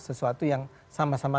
sesuatu yang sama sama